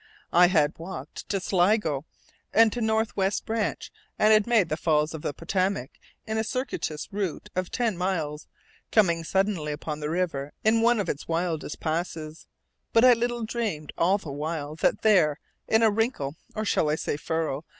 I had walked to Sligo, and to the Northwest Branch, and had made the Falls of the Potomac in a circuitous route of ten miles, coming suddenly upon the river in one of its wildest passes; but I little dreamed all the while that there, in a wrinkle (or shall I say furrow?)